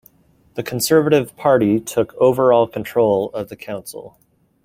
The Conservative Party took overall control of the council.